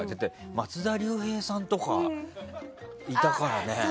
松田龍平さんとかいたからね。